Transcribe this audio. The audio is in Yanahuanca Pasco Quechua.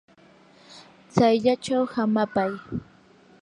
tsayllachaw hamapay.